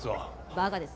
バカです。